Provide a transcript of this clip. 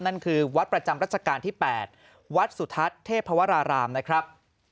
นั่นคือวัดประจำรัชกาลที่๘วัดสุทัศน์เทพวรารามนะครับ